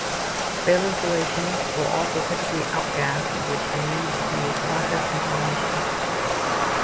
Failed insulation will also typically outgas, which can lead to process contamination.